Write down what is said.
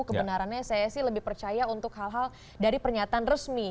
kebenarannya saya sih lebih percaya untuk hal hal dari pernyataan resmi